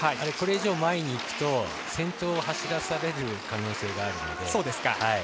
これ以上前にいくと先頭を走らされる可能性があるので。